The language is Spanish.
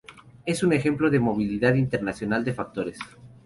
Es un ejemplo de movilidad internacional de factores.